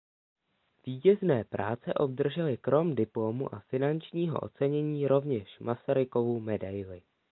Vítězné práce obdržely krom diplomu a finančního ocenění rovněž Masarykovu medaili.